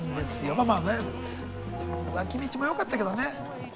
まあまあ脇道もよかったけどね。